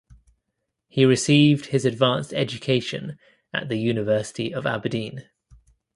He received his advanced education at the University of Aberdeen.